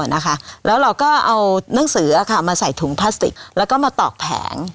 แล้วเราก็เอานังสือมาใส่ถุงพลาสติกแล้วก็มาตอกแผง